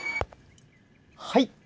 はい。